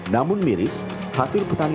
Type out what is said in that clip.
namun miris hasil petani